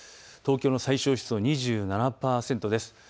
東京の最小湿度２７％です。